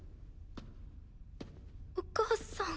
お母さん。